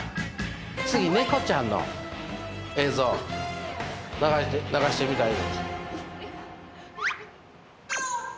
次猫ちゃんの映像流してみたい。